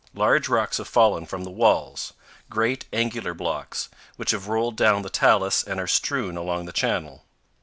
Large rocks have fallen from the walls great, angular blocks, which have rolled down the talus and are strewn along the channel.